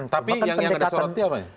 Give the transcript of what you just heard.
tapi yang ada sorotnya apa ya